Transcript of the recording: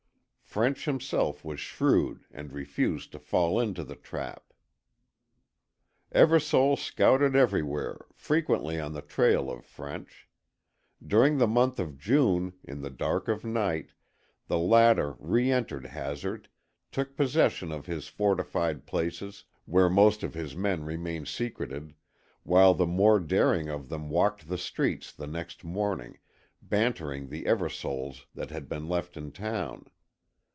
French himself was shrewd and refused to fall into the trap. Eversole scouted everywhere, frequently on the trail of French. During the month of June, in the dark of night, the latter reentered Hazard, took possession of his fortified places where most of his men remained secreted, while the more daring of them walked the streets the next morning, bantering the Eversoles that had been left in town.